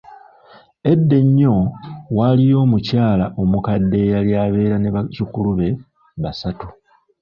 Edda enyo, waliyo omukyala omukadde eyali abeera ne bazukulu be basatu.